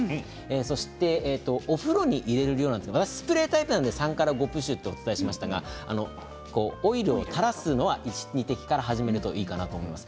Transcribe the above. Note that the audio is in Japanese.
そして、お風呂に入れる量なんですがスプレータイプなので３から５プッシュとお伝えしましたがオイルを垂らすのは１、２滴から始めるといいと思います。